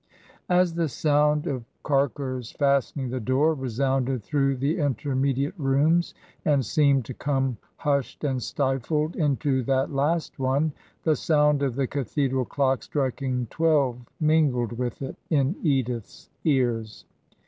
"As the sound of Carker's fastening the door re sounded through the intermediate rooms, and seemed to come hushed and stifled into that last one, the sound of the Cathedral clock striking twelve mingled with it, in Edith's ears.